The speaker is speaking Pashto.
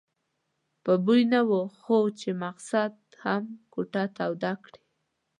په بوی نه وو خو چې مسخد هم کوټه توده کړي.